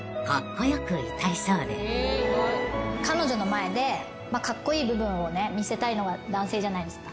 彼女の前でカッコイイ部分をね見せたいのが男性じゃないですか。